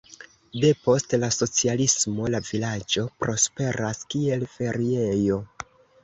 Depost la socialismo la vilaĝo prosperas, kiel feriejo.